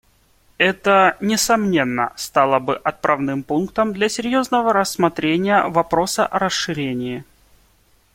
Это, несомненно, стало бы отправным пунктом для серьезного рассмотрения вопроса о расширении.